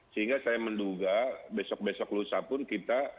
sehingga saya menduga besok besok lusa pun kita